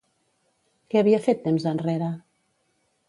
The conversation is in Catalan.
Què havia fet temps enrere?